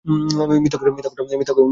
মিথ্যা কথা বটে!